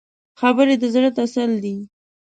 خبرې د زړه تسل دي